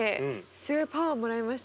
すごいパワーもらいましたね。